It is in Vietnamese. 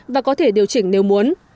và có thể điều chỉnh nếu muốn